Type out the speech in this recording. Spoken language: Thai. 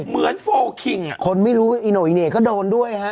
เหมือนโฟล์คิงอะคนไม่รู้อีโหน่ออีเน่ก็โดนด้วยฮะ